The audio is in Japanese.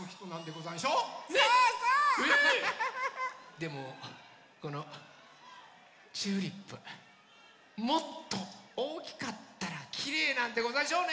でもこのチューリップもっとおおきかったらきれいなんでござんしょうねえ！